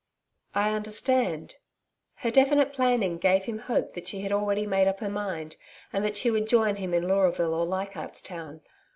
'I understand.' Her definite planning gave him hope that she had already made up her mind, and that she would join him in Leuraville or Leichardt's Town.